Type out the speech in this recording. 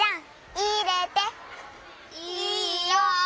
いいよ！